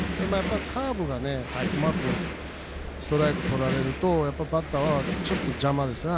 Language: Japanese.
カーブがうまくストライクとられるとバッターはちょっと邪魔ですよね